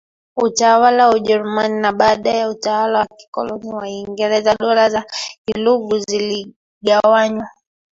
utawala wa Ujerumani na baadaye Utawala wa Kikoloni wa Uingereza Dola za Kiluguru zilinyanganywa